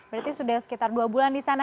berarti sudah sekitar dua bulan di sana